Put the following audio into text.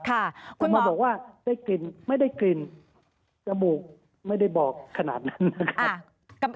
คุณหมอบอกว่าได้กลิ่นไม่ได้กลิ่นจมูกไม่ได้บอกขนาดนั้นนะครับ